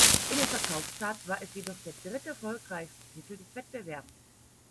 In den Verkaufscharts war es jedoch der dritterfolgreichste Titel des Wettbewerbs.